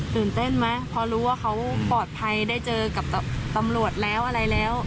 ตื่นเต้นไหมพอรู้ว่าเขาปลอดภัยได้เจอกับตำรวจแล้วอะไรแล้ว